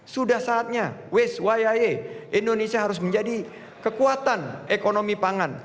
sudah saatnya west yia indonesia harus menjadi kekuatan ekonomi pangan